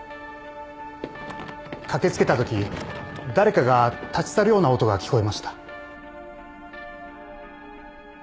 ・駆け付けたとき誰かが立ち去るような音が聞こえました。